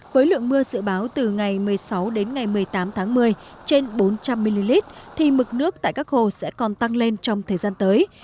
với lượng mưa dự báo từ ngày một mươi sáu đến ngày một mươi tám tháng một mươi trên bốn trăm linh ml thì mực nước tại các hồ sẽ còn tăng lên trong thời gian tới